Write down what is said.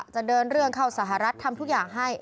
จะเดินเรื่องเข้าสหรัฐทำทุกอย่างให้